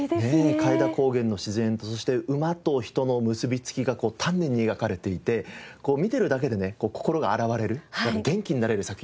開田高原の自然とそして馬と人の結びつきが丹念に描かれていて見てるだけでね心が洗われる元気になれる作品ですよね。